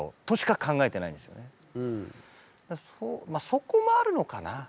そこもあるのかな。